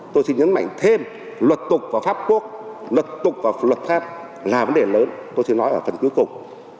tôi xin nhấn mạnh thêm luật tục và pháp quốc luật tục và luật pháp là vấn đề lớn tôi xin nói ở phần cuối cùng